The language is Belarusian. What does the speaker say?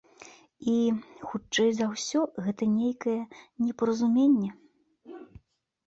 І, хутчэй за ўсё, гэта нейкае непаразуменне.